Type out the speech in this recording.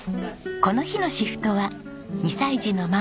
この日のシフトは２歳児のママ